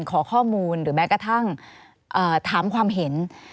ขอข้อมูลหรือแม้กระทั่งถามความเห็น